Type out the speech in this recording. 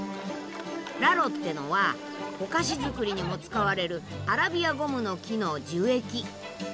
ラロってのはお菓子作りにも使われるアラビアゴムノキの樹液。